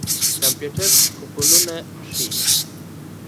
کمپيوټر کوپنونه ښيي.